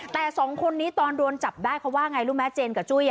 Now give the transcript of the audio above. แต่สองคนนี้ตอนโดนจับได้เขาว่าไงรู้ไหมเจนกับจุ้ย